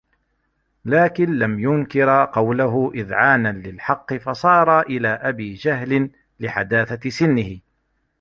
لَكِنْ لَمْ يُنْكِرَا قَوْلَهُ إذْعَانًا لِلْحَقِّ فَصَارَا إلَى أَبِي جَهْلٍ لِحَدَاثَةِ سِنِّهِ